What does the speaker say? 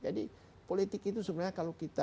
jadi politik itu sebenarnya kalau kita